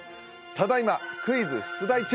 ただ今クイズ出題中